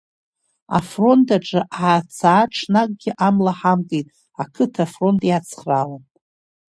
Афронт аҿы Аацаа ҽнакгьы амла ҳамкит, ақыҭа афронт иацхраауан.